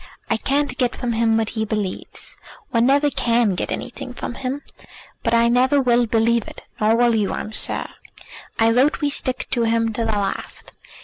I can't get from him what he believes. One never can get anything from him. But I never will believe it; nor will you, I'm sure. I vote we stick to him to the last.